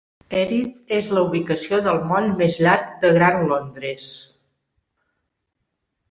Erith és la ubicació del moll més llarg de Gran Londres.